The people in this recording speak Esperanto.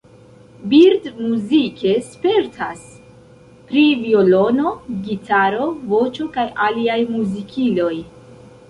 Bird muzike spertas pri violono, gitaro, voĉo kaj aliaj muzikiloj.